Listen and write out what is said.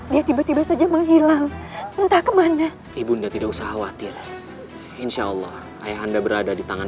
sampai jumpa di video selanjutnya